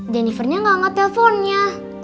jennifernya gak ngetelponnya